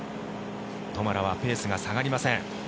トマラはペースが下がりません。